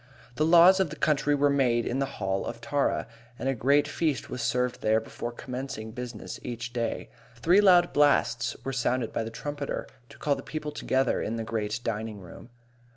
The laws of the country were made in the Hall of Tara, and a great feast was served there before commencing business each day. Three loud blasts were sounded by the trumpeter to call the people together in the great dining room.